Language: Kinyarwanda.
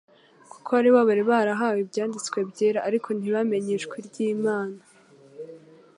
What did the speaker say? kuko aribo bari barahawe Ibyanditswe byera ariko ntibamenye ijwi ry'Imana,